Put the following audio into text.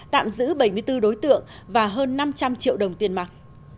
tạm giữ bảy mươi bốn đối tượng và hơn năm trăm linh triệu đồng tiền mặt